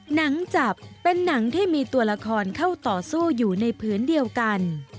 หนังจับเป็นหนังที่มีตัวละครเข้าต่อสู้อยู่ในผืนเดียวกัน